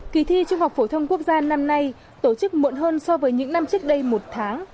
kỳ thi trung học phổ thông quốc gia năm nay tổ chức muộn hơn so với những năm trước đây một tháng